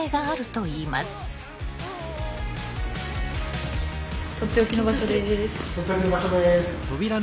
とっておきの場所です。